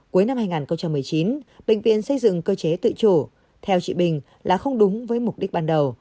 cuối năm hai nghìn một mươi chín bệnh viện xây dựng cơ chế tự chủ theo chị bình là không đúng với mục đích ban đầu